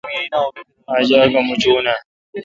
آج آگہ مُچہ آ؟